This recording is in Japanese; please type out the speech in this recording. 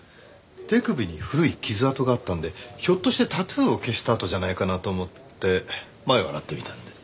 手首に古い傷痕があったんでひょっとしてタトゥーを消した痕じゃないかなと思ってマエを洗ってみたんです。